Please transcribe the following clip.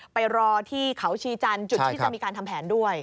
ไปรอที่เขาชีจันทร์จุดที่จะมีการทำแผนด้วย